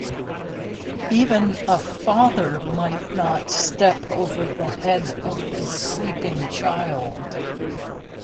Even a father might not step over the head of his sleeping child.